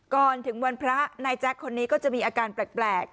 ก่อนถึงวันพระนายแจ๊คคนนี้ก็จะมีอาการแปลก